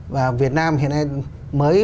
và việt nam hiện nay mới